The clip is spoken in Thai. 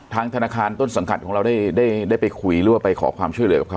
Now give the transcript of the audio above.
ทางธนาคารต้นสังกัดของเราได้ได้ได้ไปคุยรั่วไปขอความช่วยเลยหรือเปล่า